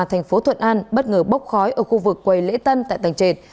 thành phố thuận an bất ngờ bốc khói ở khu vực quầy lễ tân tại tành trệt